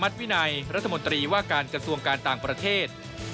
ไม่ได้คาดหวังว่าการขอตัวจะประสบผลสำเร็จ